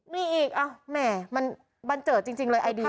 มีอีกแหม่มันบันเจิดจริงเลยไอดี